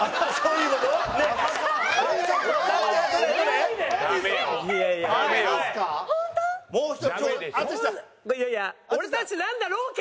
いやいや俺たちなんだろうけど！